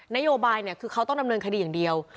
นโยบายคือเขาต้องดำเนินคดีอย่างเดียว